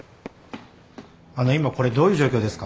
あの今これどういう状況ですか？